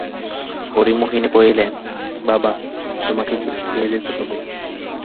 হরিমোহিনী কহিলেন, বাবা, তোমাকে কিছু খেয়ে যেতে হবে।